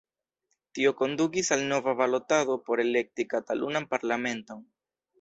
Tio kondukis al nova balotado por elekti Katalunan Parlamenton.